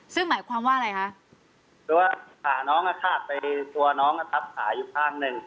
ซึ่งหมายความว่าอะไรคะคือว่าขาน้องอ่ะขาดไปตัวน้องทับขาอยู่ข้างหนึ่ง